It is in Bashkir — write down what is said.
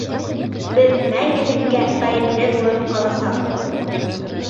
Беҙ мәңгелеккә ғәйепле булып ҡаласаҡбыҙ.